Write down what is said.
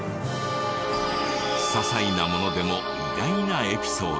些細なものでも意外なエピソード。